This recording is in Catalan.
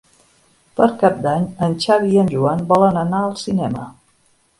Per Cap d'Any en Xavi i en Joan volen anar al cinema.